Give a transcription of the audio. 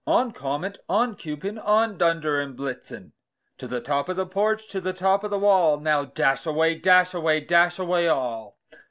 On! Comet, on! Cupid, on! Dunder and Blitzen To the top of the porch, to the top of the wall! Now, dash away, dash away, dash away all!"